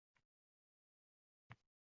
U menga yaqin kelgandim.